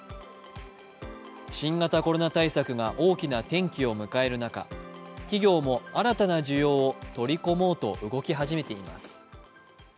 新型コロナ対策が大きな転機を迎える中、企業も新たな需要を取り込もうと動き始めています。